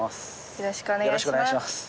よろしくお願いします。